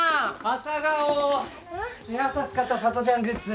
朝使ったさとちゃんグッズ。